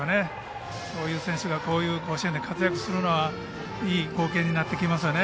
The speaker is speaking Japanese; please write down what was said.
そういう選手が甲子園で活躍するのはいい光景になっていきますね。